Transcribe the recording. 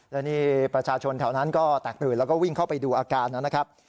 และนี่ประชาชนแถวนั้นก็แตกตื่นแล้วก็วิ่งเข้าไปดูอาการนะครับ